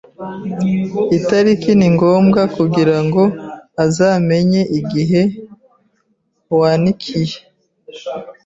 Itariki ni ngombwa kugirango azamenyeigihe wanikiye